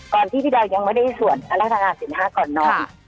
ก่อนที่พี่ดาวยังไม่ได้ส่วนอัลภาษาสินห้าก่อนนอน